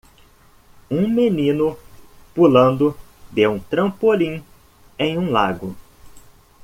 Um menino pulando de um trampolim em um lago.